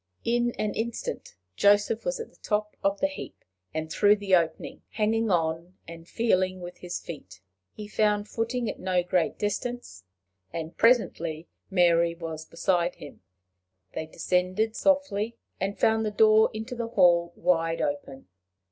In an instant Joseph was at the top of the heap, and through the opening, hanging on, and feeling with his feet. He found footing at no great distance, and presently Mary was beside him. They descended softly, and found the door into the hall wide open.